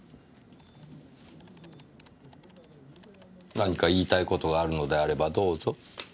何か言いたいことがあるのであればどうぞ。